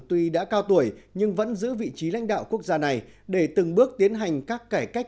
tuy đã cao tuổi nhưng vẫn giữ vị trí lãnh đạo quốc gia này để từng bước tiến hành các cải cách